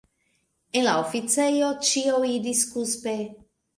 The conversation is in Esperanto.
En la oficejo, ĉio iris kuspe.